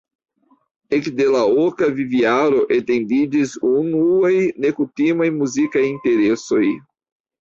Ekde la oka vivjaro evidentiĝis unuaj nekutimaj muzikaj interesoj.